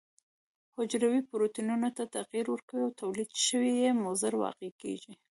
حجروي پروتینونو ته تغیر ورکوي او تولید شوي یې مضر واقع کیږي.